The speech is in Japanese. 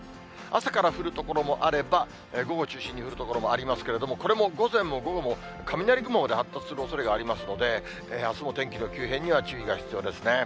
朝から降る所もあれば、午後を中心に降る所もありますけれども、これも午前も午後も雷雲で発達するおそれがありますので、あすも天気の急変には注意が必要ですね。